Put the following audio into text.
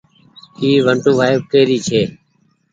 اي ونٽو ڦآئڦ ڪي ري ڇي۔